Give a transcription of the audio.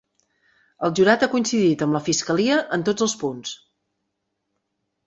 El jurat ha coincidit amb la fiscalia en tots els punts.